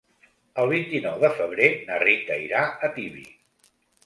El vint-i-nou de febrer na Rita irà a Tibi.